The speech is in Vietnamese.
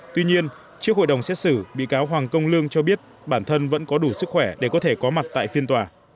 tuy nhiên trước hội đồng xét xử bị cáo hoàng công lương cho biết bản thân vẫn có đủ sức khỏe để có thể có mặt tại phiên tòa